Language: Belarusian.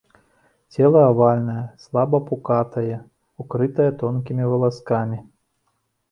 Цела авальнае, слаба пукатае, укрыта тонкімі валаскамі.